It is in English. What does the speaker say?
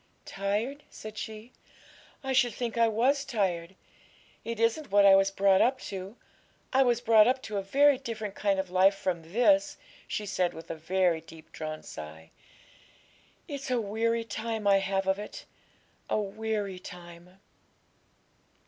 'Tired?' said she; 'I should think I was tired; it isn't what I was brought up to. I was brought up to a very different kind of life from this,' she said, with a very deep drawn sigh. 'It's a weary time I have of it a weary time.'